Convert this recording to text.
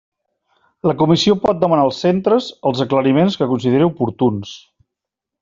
La Comissió pot demanar als centres els aclariments que consideri oportuns.